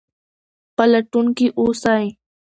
پلټونکي اوسئ.